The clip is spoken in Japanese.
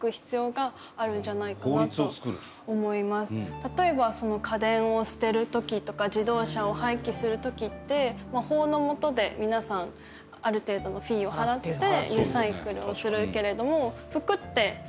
例えば家電を捨てる時とか自動車を廃棄する時って法の下で皆さんある程度のフィーを払ってリサイクルをするけれども。